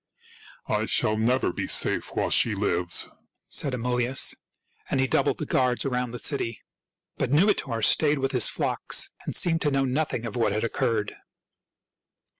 " I shall never be safe while she lives," said Amulius; and he doubled the guards around the city. But Numitor stayed with his flocks and seemed to know nothing of what had occurred.